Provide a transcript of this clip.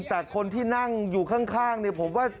แต่คนที่นั่งอยู่ข้างเนี่ยผมว่า